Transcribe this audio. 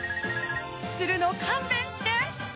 するの勘弁して！